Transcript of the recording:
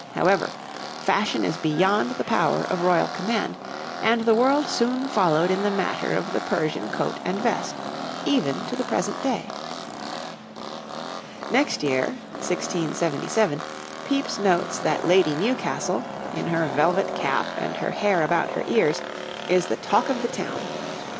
However, fashion is beyond the power of royal command, and the world soon followed in the matter of the Persian coat and vest, even to the present day. [Illustration: {A woman of the time of Charles II.}] Next year, 1667, Pepys notes that Lady Newcastle, in her velvet cap and her hair about her ears, is the talk of the town.